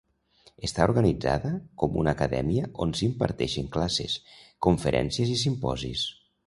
Està organitzada com una acadèmia on s'imparteixen classes, conferències i simposis.